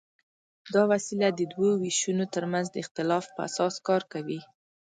دا وسیله د دوو وېشونو تر منځ د اختلاف په اساس کار کوي.